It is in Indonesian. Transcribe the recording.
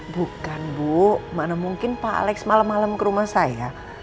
bukan bu mana mungkin pak alex malam malam ke rumah saya